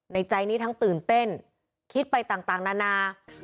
ในใจนี้ทั้งตื่นเต้นคิดไปต่างนานา